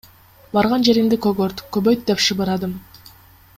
Барган жериңди көгөрт, көбөйт деп шыбырадым.